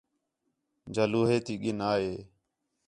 جا لوہے تی گِن آئے